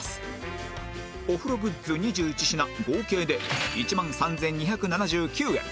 お風呂グッズ２１品合計で１万３２７９円